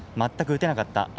全く打てなかった。